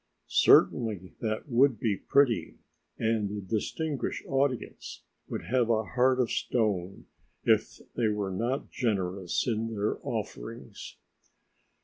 Certainly, that would be pretty, and the "distinguished audience" would have a heart of stone if they were not generous in their offerings.